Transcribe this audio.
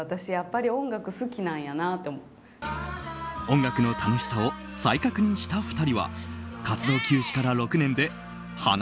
音楽の楽しさを再確認した２人は活動休止から６年で花＊